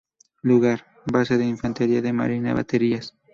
Lugar: Base de Infantería de Marina Baterías